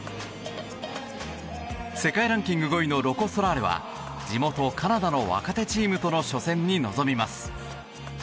世界ランキング５位のロコ・ソラーレは地元カナダの若手チームとの初戦に臨みます。